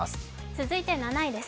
続いて７位です。